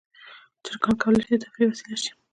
چرګان کولی شي د تفریح وسیله شي.